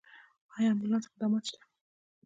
آیا امبولانس خدمات شته؟